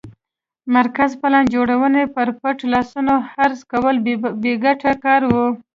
مرکزي پلان جوړونه پر پټ لاسونو عوض کول بې ګټه کار و